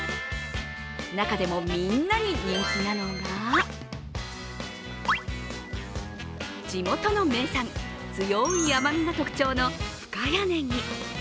中でも、みんなに人気なのが地元の名産、強い甘みが特徴の深谷ねぎ。